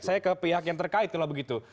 saya ke pihak yang terkait kalau begitu